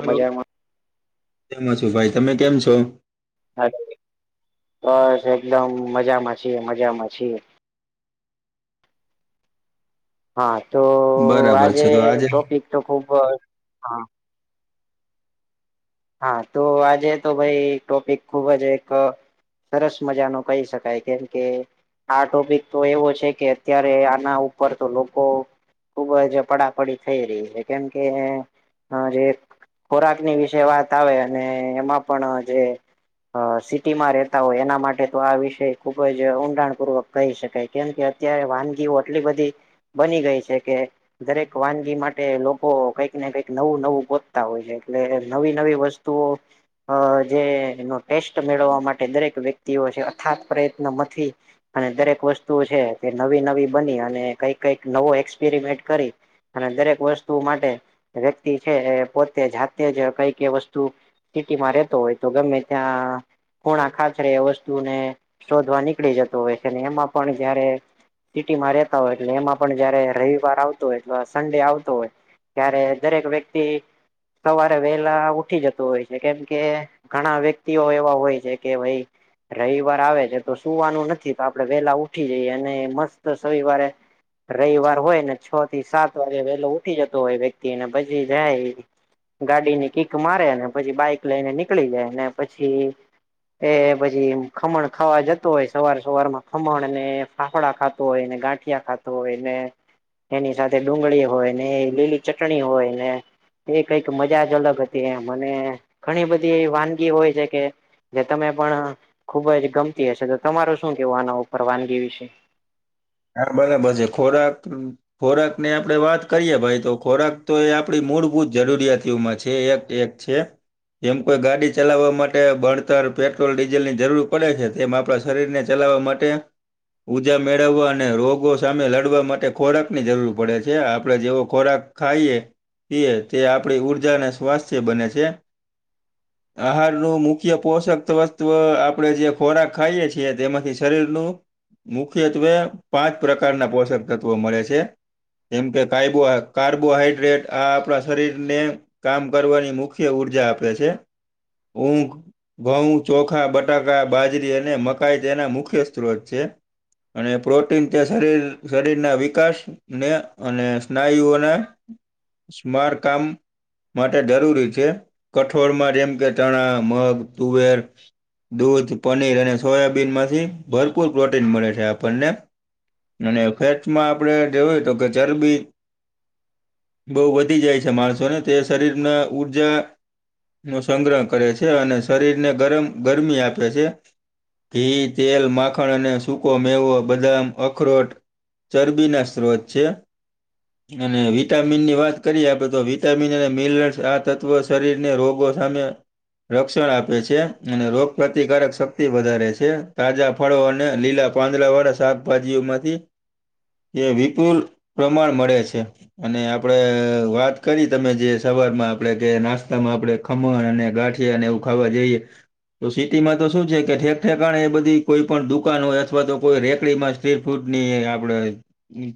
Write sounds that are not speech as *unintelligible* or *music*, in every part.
Hello મજામાં કેમાં છો ભાઈ તમે કેમ છો. અ બસ એકદમ મજામાં છીએ મજામાં છીએ. હા તો બરાબર આજે છે તો ટોપિક તો ખૂબ જ હા. હા તો આજે તો ભાઈ ટોપિક ખુબ જ એક સરસ મજાનો કઈ શકાય કેમ કે આ ટોપિક તો એવો છે કે અત્યારે આના ઉપર તો લોકો ખુબ જ પડાપડી થઈ રહી છે કેમકે જે ખોરાકની વિશે વાત આવે અને એમાં પણ જે અ સિટીમાં રેતા હોય એના માટે તો આ વિષય ખુબ જ ઊંડાણપૂર્વક કઈ શકાય કેમ કે અત્યારે વાનગીઓ એટલી બધી બની ગઈ છે કે દરેક વાનગી માટે લોકો કઈકને કઈક નવું નવું ગોતતા હોય છે નવી નવી વસ્તુઓ અ જે એનો ટેસ્ટ મેળવા માટે દરેક વ્યક્તિઓ છે અથાત પ્રયત્નમથી અને દરેક વસ્તુ છે કે નવી નવી બની અને કઈક કઈક નવો એક્સપેરિમેન્ટ કરી અને દરેક વસ્તુ માટે વ્યક્તિ છે એ પોતે જાતે જ કઈક એ વસ્તુ સિટીમાં રેતો હોય તો ગમે ત્યાં ખૂણા ખાચરે એ વસ્તુને શોધવા નીકળી જતો હોય છે અને એમાં પણ કયારે સિટીમાં રેતા હોય એમાં પણ જયારે રવિવાર આવતો સન્ડે આવતો હોય. ત્યારે દરેક વ્યક્તિ સવારે વેલા ઉઠી જતું હોય છે કેમ કે ઘણા વ્યક્તિઓ એવા હોય છે કે ભઈ રવિવાર આવે છે તો સુવાનું નથી તો આપણે વેલા ઉઠી જઈએ અને મસ્ત સવિવારે રવિવાર હોય ને છે, થી સાત વાગે વહેલો ઉઠી જતો હોય વ્યક્તિને ભચી જાય એ... ગાડીની કીક મારે ને પછી બાઈક લઈને નીકળી જાય ને પછી... એ પછી ખમણ ખાવા જતું હોય સવાર સવારમાં ખમણ ને? ફાફડા ખાતો હોય ને ગાંઠિયા ખાતો હોય ને? એની સાથે ડુંગળી હોય ને એ લીલી ચટણી હોય ને એ કઈક મજા જ અલગ હતી.. ત્યા મને ઘણી બધી એ વાનગી હોય છે કે... જે તમે પણ ખુબ જ ગમતી હશે તો તમાર શું કેવું આના ઉપર વાનગી વિશે... હા, મને મસે ખોરાક... ખોરાકની આપણે કરીએ તો ખોરાક તો એ આપણી મૂળભૂત જરૂરિયાતીઓમાં છે એક-એક *unintelligible* જેમ કોઈ ગાડી ચલાવવા માટે ભણતર પેટ્રોલ ડીઝલની જરૂર પડે છે, તેમ આપણા શરીર ને ચલાવવા માટે... ઉજા મેળવવા... રોગો સામે લડવા માટે ખોરાકની જરૂર પડે છે, આપડે જેવો ખોરાક ખાઈએ. પીએ આપણી સ્વાસ્થ્ય બને છે. *inaudible* આહારનું મુખ્ય પોષક વસ્તવ આપણેે જે ખોરાક ખાઈએ છીએ તેમાંથી શરીરનું મુખ્યત્વે પાંચ પ્રકારના પોષક તત્વો મળે છે. જેમ કે *inaudible* કાર્બોહાઈડ્રેટ આ આપણા શરીરને... કામ કરવાની મુખ્ય ઊર્જા આપે છે, ઊંઘ... ઘઉં ચોખા બટાકા બાજરી અને મકાઈ તેના મુખ્ય સ્ત્રોત છે. અને પ્રો શરીરના વિકાસ ને અને સ્નાયુઓના... સુમાર કામ... માટે જરૂરી છે, કઠોળમાં જેમ કે ચણા, મગ, તુવેર... પનીર અને સોયાબીનમાંથી ભરપૂર પ્રોટીન મળે છે આપણને... અને ફેટમાં આપણેે જોવું તો કે ચરબી... બહુ વધી જાય છે માણસોને તે શરીરમાં ઊર્જા... નો સંગ્રહ કરે છે અને શરીર ને ગરમ ગરમી આપે છે. ઘી, તેલ, માખણ અને સૂકો મેવો બદામ... અખરોટ ચરબીના સ્ત્રોત છે. *inaudible* અને વિટામિનની વાત કરીએ આપણે તો વિટામિન અને મિનસ આ તત્વ શરીરને રોગો સામે રક્ષણ આપે છે, અને રોગ પ્રતિકારક શક્તિ વધારે છે. તાજા... ફળો અને લીલા પાંદડા વાળા શાકભાજીઓ માંથી... એ વિપુલ પ્રમાણ મળે છે. અને આપડે વાત કરી તમે જે સવારમાં આપણેે કે નાસ્તામાં આપડે... ખમણ અને ગાંઠી અને એવું ખાવા જઈએ. તો સિટીમાં તો શું છે કે ઠેક ઠેકાણે એ બધી કોઈ પણ દુકાન હોય અથવા તો કોઈ રેકડીમાં... સ્રફૂટની આપડે...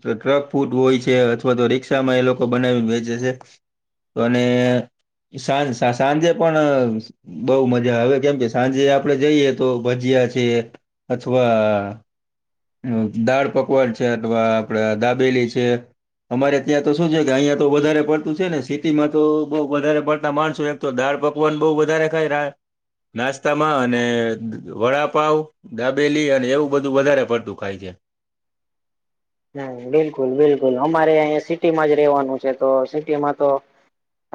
તો ટ્રક ફૂટ હોય છે અથવા તો રિક્ષામાં એ લોકો બનાવી વેચે છે. તો સાંજ-સાંજે પણ... બઉ મજા હવે કેમ કે સાંજે આપડે જઈએ તો ભજીયા છે અથવા... દાળ પકવાન છે અથવા આપડે દાબેલી છે. અમારે ત્યાં તો શું છે કે અહિયાં તો વધારે પડતું છે, ને સિટીમાં તો બ વધારે પડતા માણસો... તો દાળ પકવાન બહ વધારે ખાય ર નાસ્તામાં અને વડાપાવ દાબેલી અને એવું બધું વધારે પડતું. કરાય છે. હમ્મ, બિલકુલ-બિલકુલ અમારે અહીં સિટીમાં જ રેવાનું છે તો સિટીમાં તો...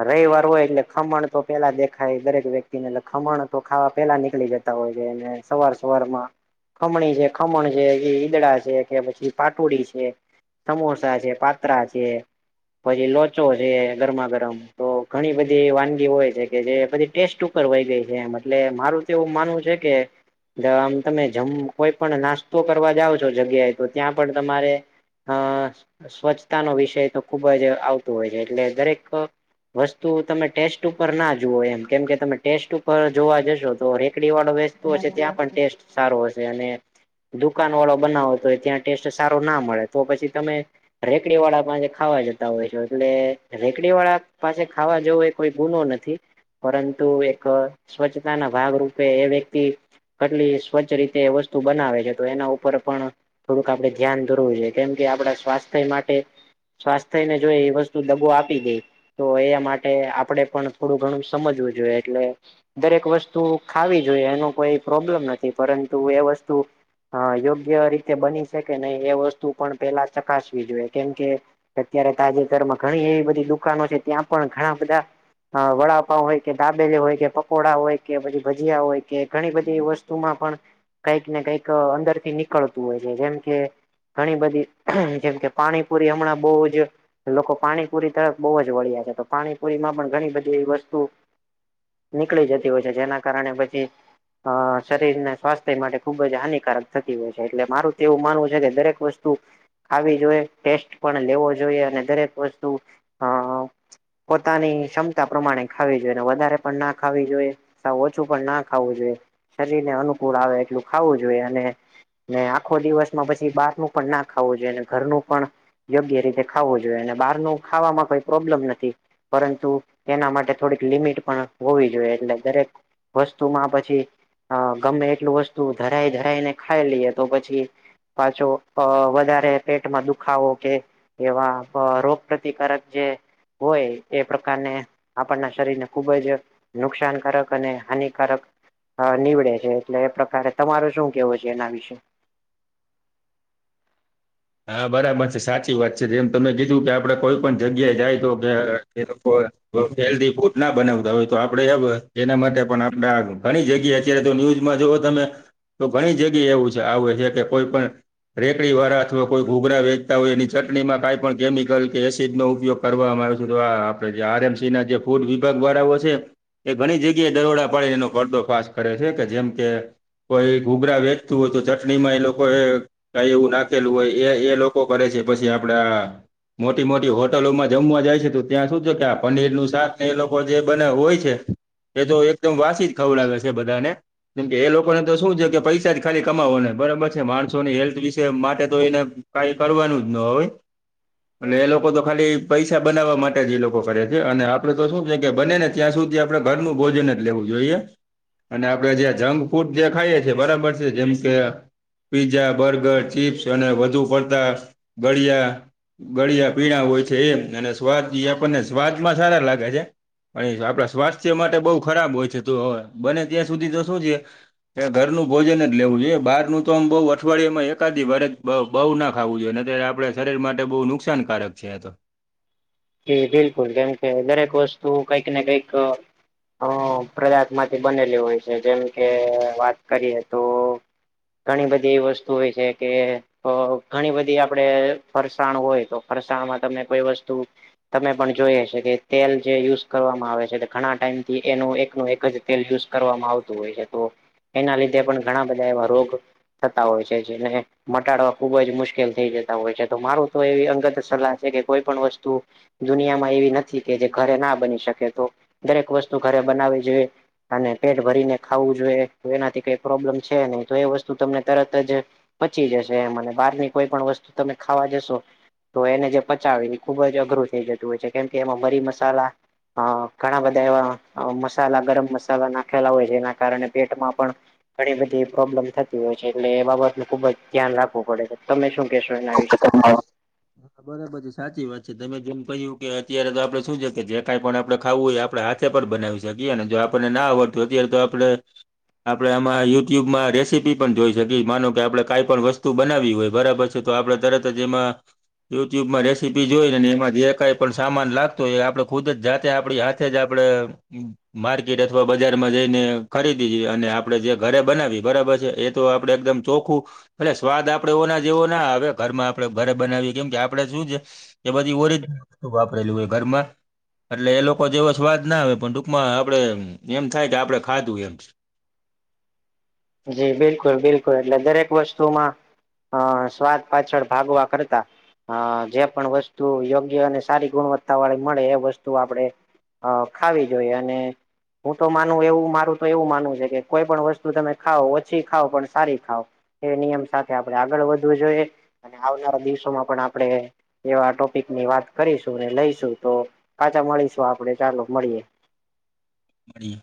રવિવાર હોય એટલે ખમણ તો પેલા દેખાય દરેક વ્યક્તિ ને ખમણ તો ખાવા પેલા નીકળી જ સવાર સવાર માં ખમણી છે, ખમણ છે, ઈદડા છે કે પછી પાટ ટોડી છે, સમોસા છે, પાત્રા છે... પછી લોચો છે. ગરમા-ગરમ તો ઘણી બધી વાનગી હોય છે. કે જેધી ટેસ્ટ... વાઈ ગઈ છે, એમ એટલે મારું તો એવું માનવું છે. કે... આમ તમે જમ કોઈ પણ નાસ્તો કરવા જાવ છો જગ્યાએ તો ત્યાં... પણ તમારે... સ્વચ્છતા નો વિષય તો ખુબ જ આવતું હોય છે. એટલે દરેક... વસ્તુ તમે ટેસ્ટ ઉપર ના જુવઓ એમ કેમ કે તમે ટેસ્ટ ઉપર જોવા જશો તો રેકડીવાળો... ત્યાં પણ ટેસ્ટ સારો હશે અને દુકાન વાળો બનાવો તો ત્યાં... ટેસ્ટ સારો ના મળે. તો પછી તમે... રેકડીવાળા પાસે ખાવા જતા હોય છે. એટલે રેકડી વાળાપાસે ખાવા જેવું... કોઈ ગુનો નથી. પરંતુ એક સ્વચ્છતાના ભાગરૂપે એ વ્યક્તિ... કેટલી સ્વચ્છ રીતે વસ્તુ બનાવે છે. તો એના ઉપર પણ. થોડુંક આપડણે ધ્યાન દોરવું જોઈએ. કેમ કે આપડા સ્વાસ્થ્ય માટે. સ્વાસ્થ્યને થઈને જોઈ એ વસ્તુ દબો આપી દે. તો એ માટે આપડે પણ થોડું ઘણું સમજવું જોઈએ. એટલે. દરેક વસ્તુ ખાવી જોઈએ. એનો કોઈ પ્રોબ્લેમ નથી. પરંતુ એ વસ્તુ. હા, યોગ્ય રીતે બની શકે નહી. એ વસ્તુ પણ પેલા ચકાસવી જોઈએ કેમકે. અત્યારે તાજેતરમાં ઘણી એવી બધી દુકાનો છે. ત્યાં પણ ઘણા બધા. હા, વડાપાવ હોય કે, દાબેલી હોય કે, પકોડા હોય કે, પછી ભજીયા હોય કે, ઘણી બધી વસ્તુ. વસ્તુમાં પણ કઈક ને કઈક અંદરથી નીકળતું હોય છે. જેમ કે. ઘણી બધી જેમ કે પાણીપુરી હમણાં બઉુ જ. લોકો પાણીપુરી તરફ બહુ જ વળ્યા છે. તો પાણીપુરીમાં પણ ઘણી બધી એ વસ્તુ. નીકળી જતી હોય છે. જેના કારણે પછી. હા, શરીરના સ્વાસ્થ્ય માટે ખુબ જ હાનિકારક છે. એટલે મારું તો એવું માનવું છે, કે દરેક વસ્તુ. આવી જોઈએ, ટેસ્ટ પણ લેવો જોઈએ અને દરેક વસ્તુ હા હા. પોતાની ક્ષમતા પ્રમાણે ખાવી જોઈએ, વધારે પણ ના ખાવી જોઈએ. સા ઓછું પણ ના ખાવું જોઈએ. શરીરને અનુકૂળ આવે એટલું ખાવું જોઈએ, અને. ને આખો દિવસમાં પછી બહારનું પણ ના ખાવું જોઈએ, ઘરનું પણ. યોગ્ય રીતે ખાવું જોઈએ. અને બહાર ન ખાવામાં કોઈ પ્રોબ્લેમ નથી. પરંતુ એના માટે થોડીક લિમિટ પણ હોવી જોઈએ, એટલે દરેક. વસ્તુમાં પછી ગમે એટલું વસ્તુ ધરાય ધરાઈને. ખાઈ લઈએ તો પછી પાછો વધારે પેટમાં દુખાવો કે. એવા રોગ પ્રતિકારક જે. હોય એ પ્રકારને આપણના શરીરને ખુબ જ. નુકસાનકારક અને હાનિકારક નીવડે છે. એટલે એ પ્રકારે તમાર શું કેવું છે? જેના વિશે? હા, બરાબર છે સાચી વાત છે, જેમ તમે કીધું કે આપડે કોઈ પણ જગ્યાએ જાય તો કે એ લોકો. હેલ્ધી ફૂડના બનાવતા હોય તો આપડે એના માટે પણ આપે ઘણી જગ્યા. અત્યારે તો ન્યુઝમાં જોઓ તમે. તો ઘણી જગ્યા છે. આવે છે. કે કોઈ રેકડીવાળા. અથવા કોઈ ઘૂઘરા વેચતા હોય એની ચટણીમાં કંઈ પણ કેમિકલ કે એસિડનો ઉપયોગ કરવામાં આવે છે. તો આ. આર એમ સીના જે ફૂડ વિભાગ વાળાઓ છે. એ ઘણી જગ્યાએ દરોડા પાડી એનો પડદો ફ્રેશ કરે છે. કે જેમ કે. કોઈ ઘૂઘરા વેચતું હોય તો ચટણીમાં એ લોકો એ કઈ એવું નાખી. લું હોય એ એ લોકો કરે છે પછી આપડા. મોટી મોટી હોટલોમાં જમવા જાય છે, તો ત્યાં સુું છે. કે આ પનીરનું શાકને એ લોકો જે બને હોય છે. એ તો એકદમ વાસી જ ખવડાવે છે. બધાને. કેમ કે એ લોકોને તો શું છે. કે પૈસા જ ખાલી કમાવવાો ને બરાબર છે. માણસોની હેલ્થ વિશે. તો એને કઈ કરવાનું જ ન હોય. અને એ લોકો તો ખાલી પૈસા બનાવવા માટે જ એ લોકો કરે છે. અને આપણે તો શું છે કે બને ને. ત્યાં સુધી આપણે ઘરનું ભોજન જ લેવું જોઈએ. અને જે જંક ફૂડ ખાઈએ છીએ, બરાબર છે. જેમ કે પીઝા, બર્ગર, ચીપ્સ અને વધુ પડતા ગળિયા. ગળિયા પીણા હોય છે. એ અને સ્વાદ આપણને સ્વાદમાં સારા લાગે છે. અને આપણા સ્વાસ્થ્ય માટે બહુ ખરાબ હોય છે, તો હવે બને ત્યાં સુધી તો શું છે. એ ઘરનું જ લેવું જોઈએ. બાહરનું તો આમ અઠવાડિયામાંએકાદદી ભરે. બ બહુ ના ખાવું જોઈએનેત્, ત્યારે આપણે શરીર માટે બહુ નુકસાનકારક છે. તો બિલકુલ. કેમ કે દરેક વસ્તુ કઈક ને કઈક અ પદાર્થમાંથી બનેલી હોય છે. જેમ કે વાત કરીએ તો ઘણી બધી એવી વસ્તુ હોય છે કે તો ઘણી બધી આપણે ફરસાણ હોય, તો ફરસાણમાં તમે કોઈ વસ્તુ તમે પણ જોઈએ છે કે તેલ જે યુઝ કરવામાં આવે છે. ઘણા ટાઈમથી એનું એકનું એક જ તેલ યુઝ કરવામાં આવતું હોય છે, તો એના લીધે પણ ઘણા બધા એવા રોગ થતા હોય છે. જેને મટાડવા ખુબ જ મુશ્કેલ થઈ જતા હોય છે. તો મારું તો એવી અંગત સલાહ છે કે કોઈ પણ વસ્તુ દુનિયામાં એવી નથી કે જે ઘરે ના બની શકે, તો દરેક વસ્તુ ઘરે બનાવી જોઈએ. અને પેટ ભરીને ખાવું જોઈએ, તો એનાથી કઈ પ્રોબ્લેમ છે. નહી તો એ વસ્તુ તમને તરત જ પચી જશે. એ મને બહારની કોઈ પણ વસ્તુ તમે ખાવા જશો? એને જે પચાવી, એને ખુબ અઘરું થઈ જતું હોય છે. કેમ કે એમાં મરી મસાલા અ ઘણા બધા એવા મસાલા ગરમ મસાલા નાખેલા હોય, જેના કારણે પેટમાં પણ ઘણી બધી પ્રોબ્લેમ થતી હોય છે. એટલે એ બાબતનું ખુબ જ ધ્યાન રાખવું પડે છે. તમે શું કેહેશો એના વિશે? *inaudible* સાચી વાત છે. તમે જેમ કહ્યું કે, અત્યારે તો આપણે શું છે કે જે કંઈ પણ આપણે ખાવું હોય, આપણે હાથ પણ બનાવી શકીએ. અને જો આપણનેના આવડતું અત્યારે તો આપણે આપણે આમાં યુટ્યુબમાં રેસીપી પણ જોઈ શકીએ. માનો કે આપણે કઈ પણ વસ્તુ બનાવી હોય, બરાબર છે. તો આપણે તરત જેમાં યુટ્યુબમાં રેસીપી જોઈને, એમાં જે કંઈ પણ સામાન લાગતો હોય, એ આપણે ખુદ જ જાતે આપણી હાથ જ આપણે માર્કેટ અથવા બજારમાં જઈને ખરીદી અને આપણે જે ઘરે બનાવી બરાબર છે. એ તો આપણે એકદમ ચોખું એટલે સ્વાદ આપણે ઓ ના જેવો ના હવે ઘરમાં આપણે ઘરે કેમ કે આપણે શું છે કે બધી ઓરિજનલ વસ્તુ હોય. ઘરમાં એટલે એ લોકો જેવો સ્વાદ ના આવે, પણ ટૂંકમાં આપણે એમ થાય કે આપણે ખાધું એમ છે. જી બિલકુલ બિલકુલ. એટલે દરેક વસ્તુમાં હ, સ્વાદ પાછળ ભાગવા કરતા હા, જે પણ વસ્તુ યોગ્ય અને સારી ગુણવત્તા વાળી મળે એ વસ્તુ આપડે હ, ખાવી જોઈએ અને હું તો માનું એવું મારું તો એવું માનવું છે કે કોઈ પણ વસ્તુ તમે ખાવ ઓછી ખાવ પણ સારી ખાવ એ નિયમ સાથે આપણે આગળ વધવું જોઈએ. અને આવનારા દિવસોમાં પણ આપણે ટોપિકની વાત કરીશું, ને તો પાછા મળીશું આપણે, ચાલો મળીએ. મળીએ.